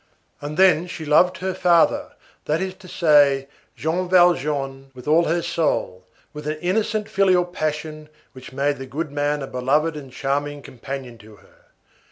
And then, she loved her father, that is to say, Jean Valjean, with all her soul, with an innocent filial passion which made the goodman a beloved and charming companion to her.